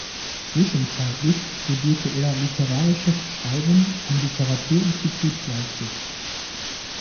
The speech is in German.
Zwischenzeitlich studierte er literarisches Schreiben am Literaturinstitut Leipzig.